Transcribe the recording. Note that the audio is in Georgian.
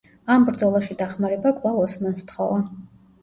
ამ ბრძოლაში დახმარება კვლავ ოსმანს სთხოვა.